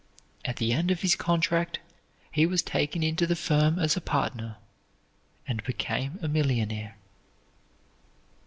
At the end of his contract, he was taken into the firm as a partner, and became a millionaire.